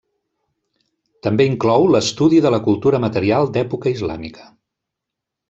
També inclou l'estudi de la cultura material d'època islàmica.